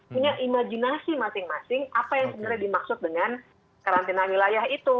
punya imajinasi masing masing apa yang sebenarnya dimaksud dengan karantina wilayah itu